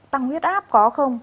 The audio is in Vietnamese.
tăng huyết áp có không